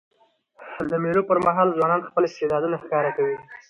د مېلو پر مهال ځوانان خپل استعدادونه ښکاره کوي.